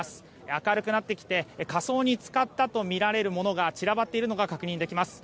明るくなってきて仮装に使ったとみられるものが散らばっているのが確認できます。